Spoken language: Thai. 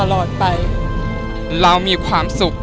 ก็ต้องยอมรับว่ามันอัดอั้นตันใจและมันกลั้นไว้ไม่อยู่จริง